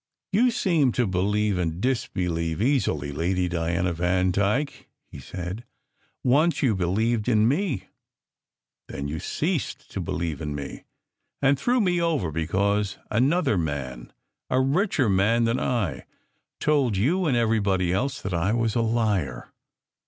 "You seem to believe and disbelieve easily, Lady Diana Vandyke!" he said. "Once you believed in me. Then you ceased to believe in me and threw me over because an other man a richer man than I told you and everybody else that I was a liar.